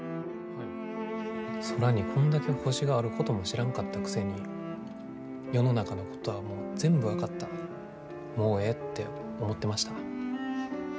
空に、こんだけ星があることも知らんかったくせに世の中のことはもう全部分かったもうええって思ってました。